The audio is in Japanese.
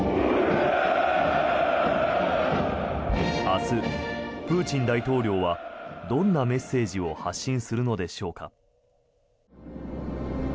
明日、プーチン大統領はどんなメッセージを発信するのでしょうか。